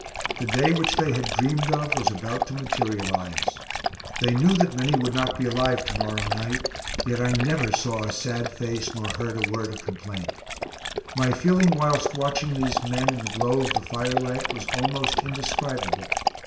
The day which they had dreamed of was about to materialise. They knew that many would not be alive to morrow night, yet I never saw a sad face nor heard a word of complaint. My feeling whilst watching these men in the glow of the firelight was almost indescribable.